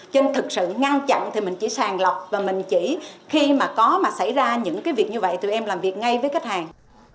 cho nên thực sự ngăn chặn thì mình chỉ sàng lọc và mình chỉ khi mà có mà xảy ra những cái việc như vậy tụi em làm việc ngay với khách hàng